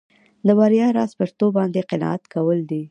د بریا راز په شتو باندې قناعت کول دي.